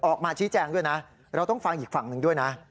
ออกมาชี้แจงด้วยนะเราต้องฟังอีกฝั่งหนึ่งด้วยนะ